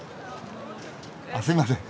あっすいません！